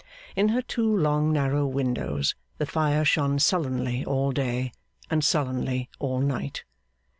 In her two long narrow windows, the fire shone sullenly all day, and sullenly all night.